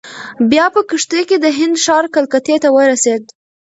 بیا په کښتۍ کې د هند ښار کلکتې ته ورسېد.